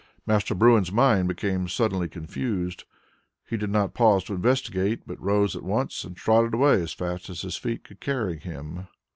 Master Bruin's mind became suddenly confused. He did not pause to investigate, but rose at once and trotted away as fast as his feet could carry him.